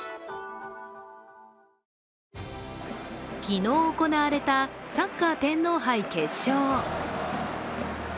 昨日行われたサッカー天皇杯決勝。